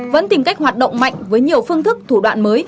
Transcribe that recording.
vẫn tìm cách hoạt động mạnh với nhiều phương thức thủ đoạn mới